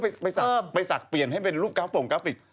คอยไปสักเข้าไปสักเปลี่ยนให้เป็นรูปโฟ่งกราฟิก